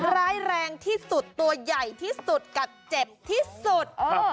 ร้ายแรงที่สุดตัวใหญ่ที่สุดกัดเจ็บที่สุด